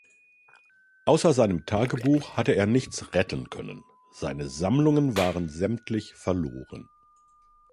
Außer seinem Tagebuch hatte er nichts retten können, seine Sammlungen waren sämtlich verloren.